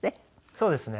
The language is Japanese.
そうですね。